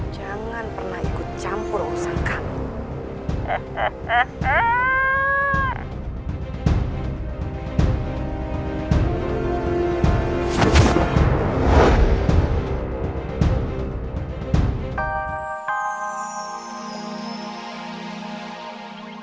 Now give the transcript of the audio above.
jangan pernah ikut campur urusan kamu